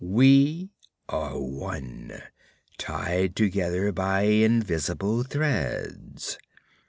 We are one, tied together by invisible threads.